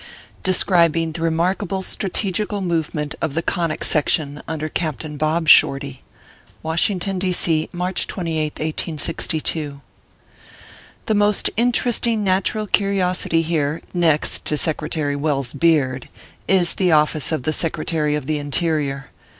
DESCRIBING THE REMARKABE STRATEGICAL MOVEMENT OF THE CONIC SECTION, UNDER CAPTAIN BOB SHORTY, "WASHINGTON, D. C., March 2Sth, 1862. THE most interesting natural curiosity here, next to Secretary Welles beard, is the office of the Secre tary of the Interior.